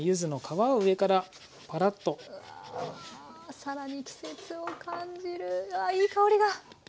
更に季節を感じるうわあいい香りが。